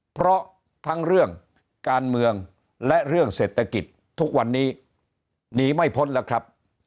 เพราะทั้งเรื่องการเมืองและเรื่องเศรษฐกิจทุกวันนี้หนีไม่พ้นแล้วครับ